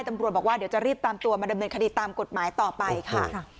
ตำรวจบอกว่าเดี๋ยวจะรีบตามตัวมาดำเนินคดีตามกฎหมายต่อไปค่ะ